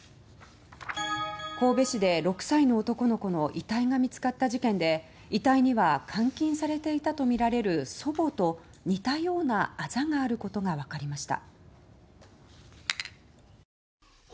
神戸市で６歳の男の子の遺体が見つかった事件で遺体には監禁されていたとみられる祖母と似たようなアザがあることがわかりました。